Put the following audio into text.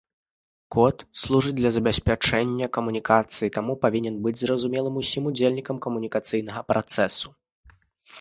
Код служыць для забеспячэння камунікацыі, таму павінен быць зразумелым усім удзельнікам камунікацыйнага працэсу.